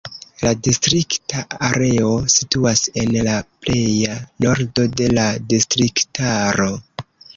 La distrikta areo situas en la pleja nordo de la distriktaro.